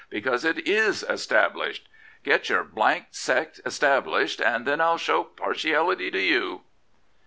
' because it is established. Get your sect established and then I'll show partiality to you.'